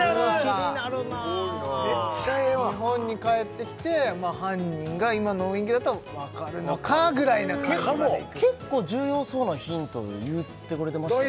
気になるなめっちゃええわ日本に帰ってきてまあ犯人が今の雰囲気だとわかるのかぐらいな感じまでいくかも結構重要そうなヒント言ってくれてましたね